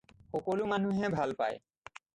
সকলো মানুহে ভাল পায়